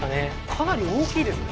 かなり大きいですね。